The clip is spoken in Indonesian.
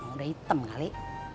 udah hitam kali